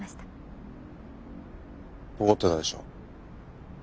怒ってたでしょ？